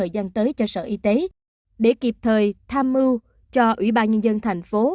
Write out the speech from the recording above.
gian tới cho sở y tế để kịp thời tham mưu cho ủy ban nhân dân thành phố